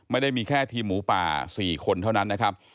ไม่ได้มีแค่ทีมหมูป่า๔คนเท่านั้นนะครับ